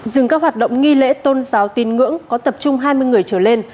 dừng các hoạt động nghi lễ tôn giáo tin ngưỡng có tập trung hai mươi người trở lên